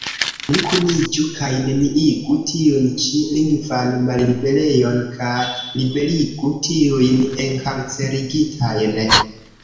Ni kuniĝu kaj neniigu tiun ĉi lingvan malliberejon kaj liberigu tiujn enkarcerigitajn